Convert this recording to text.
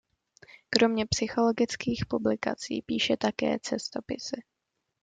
Kromě psychologických publikací píše také cestopisy.